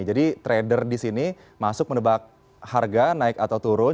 jadi trader di sini masuk mendebak harga naik atau turun